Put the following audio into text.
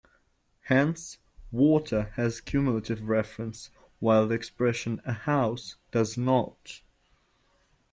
Hence, "water" has cumulative reference, while the expression "a house" does not.